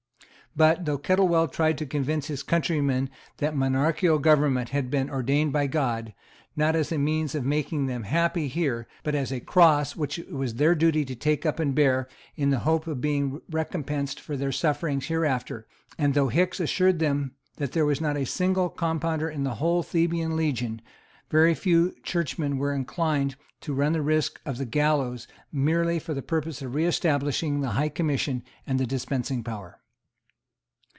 But, though Kettlewell tried to convince his countrymen that monarchical government had been ordained by God, not as a means of making them happy here, but as a cross which it was their duty to take up and bear in the hope of being recompensed for their sufferings hereafter, and though Hickes assured them that there was not a single Compounder in the whole Theban legion, very few churchmen were inclined to run the risk of the gallows merely for the purpose of reestablishing the High Commission and the Dispensing Power.